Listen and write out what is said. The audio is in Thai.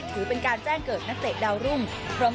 ถือเป็นการแจ้งเกิดนักเตะดาวรุ่งพร้อม